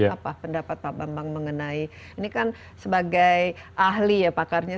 apa pendapat pak bambang mengenai ini kan sebagai ahli ya pakarnya